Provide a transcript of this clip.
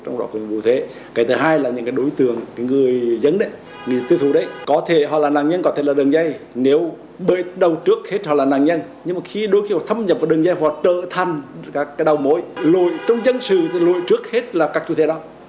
nếu thâm nhập vào đường giai vọt trở thành đào mối lội trong dân sự lội trước hết là các chủ thể đó